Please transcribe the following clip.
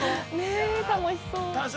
楽しそうで。